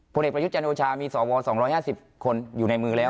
ผลเอกประยุทธ์จันโอชามีสว๒๕๐คนอยู่ในมือแล้ว